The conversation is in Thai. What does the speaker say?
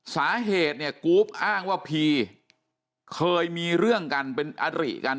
สาเหตุเนี่ยกรูปอ้างว่าพีเคยมีเรื่องกันเป็นอริกัน